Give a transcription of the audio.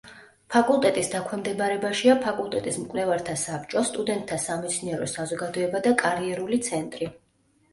ფაკულტეტის დაქვემდებარებაშია ფაკულტეტის მკვლევართა საბჭო, სტუდენტთა სამეცნიერო საზოგადოება და კარიერული ცენტრი.